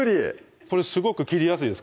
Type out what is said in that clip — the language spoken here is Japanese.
これすごく切りやすいです